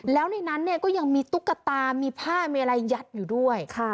แล้วในนั้นเนี่ยก็ยังมีตุ๊กตามีผ้ามีอะไรยัดอยู่ด้วย